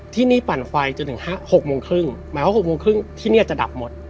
ที่นี่ปั่นไฟจนถึง๖โมงครึ่งหมายว่า๖โมงครึ่งที่นี่จะดับหมด